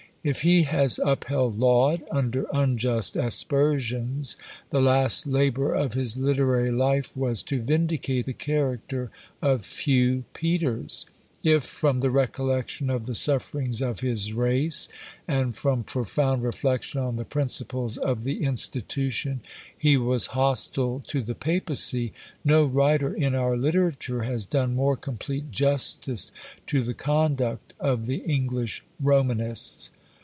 If he has upheld Laud under unjust aspersions, the last labour of his literary life was to vindicate the character of Hugh Peters. If, from the recollection of the sufferings of his race, and from profound reflection on the principles of the Institution, he was hostile to the Papacy, no writer in our literature has done more complete justice to the conduct of the English Romanists.